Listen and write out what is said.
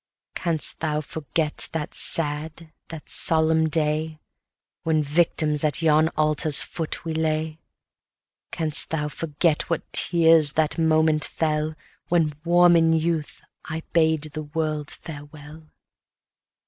Canst thou forget that sad, that solemn day, When victims at yon altar's foot we lay? Canst thou forget what tears that moment fell, When, warm in youth, I bade the world farewell?